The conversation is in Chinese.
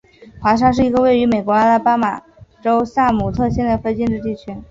华沙是一个位于美国阿拉巴马州萨姆特县的非建制地区。